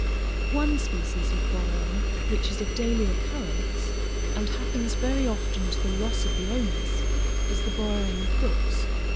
One species of borrowing which is of daily occurrence, and happens very often to the loss of the owners, is the borrowing of books.